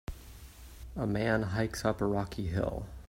A man hikes up a rocky hill.